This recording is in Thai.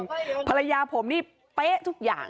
ภรรยาผมนี่เป๊ะทุกอย่าง